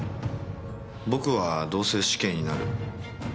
僕はどうせ死刑になる。